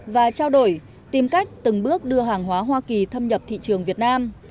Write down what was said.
và trao đổi tìm cách từng bước đưa hàng hóa hoa kỳ thâm nhập thị trường việt nam